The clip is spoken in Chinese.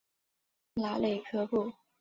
拉内科布。